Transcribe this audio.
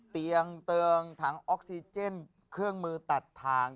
เตียงเติงถังออกซิเจนเครื่องมือตัดทาง